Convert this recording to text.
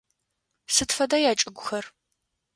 Сыд фэда ячӏыгухэр?